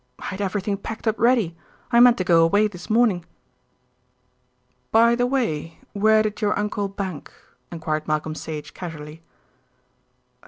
"I had everything packed up ready. I meant to go away this morning." "By the way, where did your uncle bank?" enquired Malcolm Sage casually.